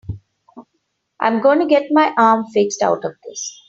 I'm gonna get my arm fixed out of this.